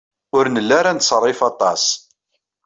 Ur nelli ara nettṣerrif aṭas.